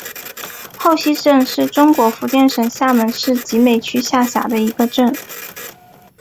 后溪镇是中国福建省厦门市集美区下辖的一个镇。